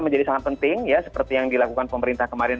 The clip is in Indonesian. menjadi sangat penting ya seperti yang dilakukan pemerintah kemarin